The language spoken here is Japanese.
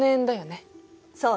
そうね。